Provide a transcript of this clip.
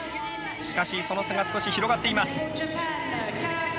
しかしその差が少し広がっています。